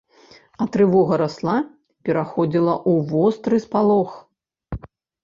А трывога расла, пераходзіла ў востры спалох.